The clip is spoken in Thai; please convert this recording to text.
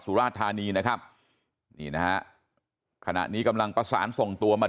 ราชธานีนะครับนี่นะฮะขณะนี้กำลังประสานส่งตัวมา